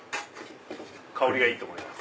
香りがいいと思います。